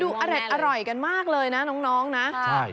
ดูอร่อยกันมากเลยนะน้องนะ